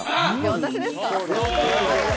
私ですか？